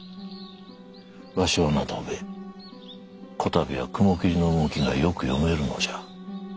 わしはな藤兵衛此度は雲霧の動きがよく読めるのじゃ。